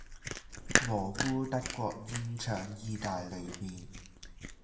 蘑菇德國煙腸義大利麵